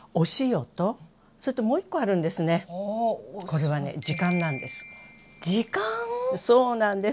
これはね時間⁉そうなんです。